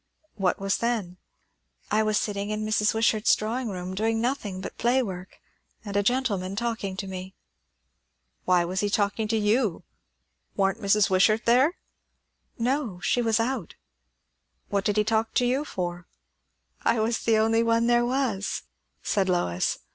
"What was then?" "I was sitting in Mrs. Wishart's drawing room, doing nothing but play work, and a gentleman talking to me." "Why was he talking to you? Warn't Mrs. Wishart there?" "No; she was out." "What did he talk to you for?" "I was the only one there was," said Lois.